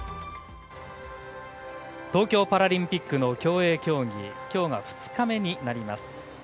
東京パラリンピックの競泳競技きょうが２日目になります。